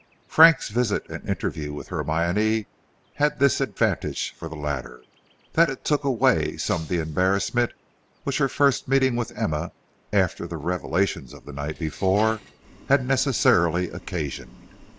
Frank's visit and interview with Hermione had this advantage for the latter, that it took away some of the embarrassment which her first meeting with Emma, after the revelations of the night before, had necessarily occasioned.